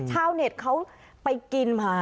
ชาวเน็ตเขาไปกินมา